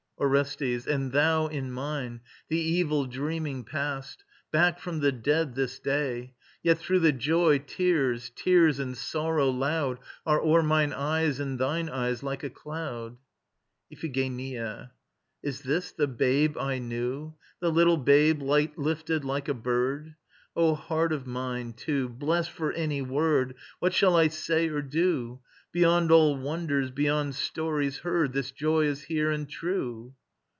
ORESTES. And thou in mine, the evil dreaming past, Back from the dead this day! Yet through the joy tears, tears and sorrow loud Are o'er mine eyes and thine eyes, like a cloud. IPHIGENIA. Is this the babe I knew, The little babe, light lifted like a bird? O heart of mine, too blest for any word, What shall I say or do? Beyond all wonders, beyond stories heard, This joy is here and true.